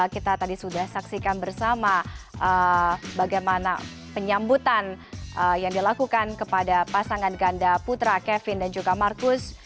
kita tadi sudah saksikan bersama bagaimana penyambutan yang dilakukan kepada pasangan ganda putra kevin dan juga marcus